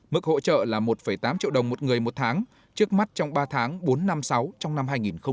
mức hỗ trợ là một tám triệu đồng một người một tháng trước mắt trong ba tháng bốn năm sáu trong năm hai nghìn một mươi chín